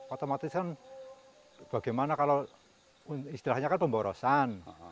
otomatis kan bagaimana kalau istilahnya kan pemborosan